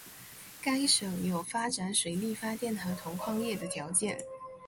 该省有发展水力发电和铜矿业的条件。